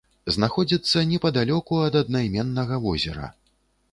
Знаходзіцца непадалёку ад аднайменнага возера.